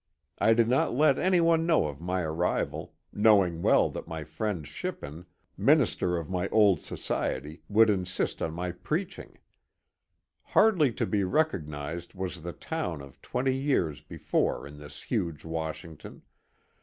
I did not let any one know of my arrival, knowing well that my friend Shippen, minister of my old society, would insist on my preaching. Hardly to be recognized was the town of twenty years before in this huge Washington